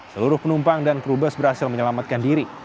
seluruh penumpang dan kru bus berhasil menyelamatkan diri